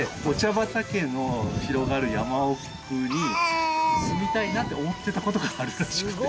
畑の広がる山奥に住みたいなって思ってた事があるらしくて。